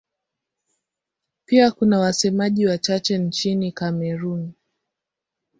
Pia kuna wasemaji wachache nchini Kamerun.